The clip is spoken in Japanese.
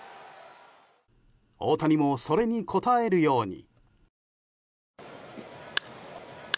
大谷もそれに応えるように。